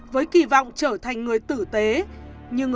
với kỳ vọng trở thành người tử tế nhưng